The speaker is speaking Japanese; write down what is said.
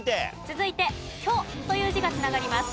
続いて「居」という字が繋がります。